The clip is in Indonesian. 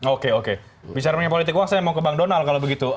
oke oke bicara mengenai politik uang saya mau ke bang donald kalau begitu